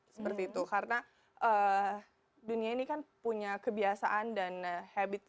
seperti itu karena dunia ini kan punya kebiasaan dan habit